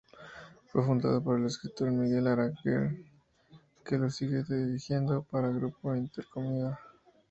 Fue fundado por el escritor Miguel Aranguren, que lo sigue dirigiendo para Grupo Intereconomía.